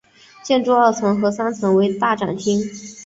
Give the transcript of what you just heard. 建筑二层和三层为大展厅。